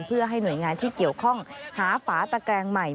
เพื่อให้หน่วยงานที่เกี่ยวข้องหาฝาตะแกรงใหม่